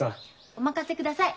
お任せください